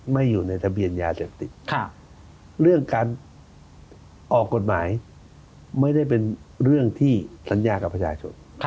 อยู่ในทะเบียนยาเสพติดเรื่องการออกกฎหมายไม่ได้เป็นเรื่องที่สัญญากับประชาชน